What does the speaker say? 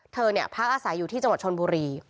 เธอเนี่ยพักอาศัยอยู่ที่จังหวัดชนบุรี